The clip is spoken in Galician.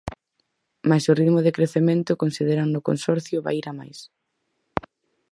Mais o ritmo de crecemento, consideran no Consorcio, vai ir a máis.